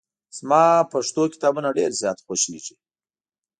زما پښتو کتابونه ډېر زیات خوښېږي.